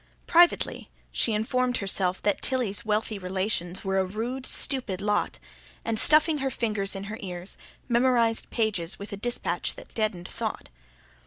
Privately, she informed herself that Tilly's wealthy relations were a "rude, stupid lot"; and, stuffing her fingers in her ears, memorised pages with a dispatch that deadened thought.